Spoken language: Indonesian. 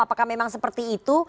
apakah memang seperti itu